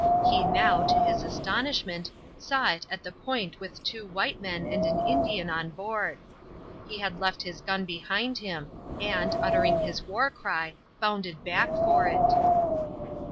He now, to his astonishment, saw it at the point with two white men and an Indian on board. He had left his gun behind him and, uttering his war cry, bounded back for it.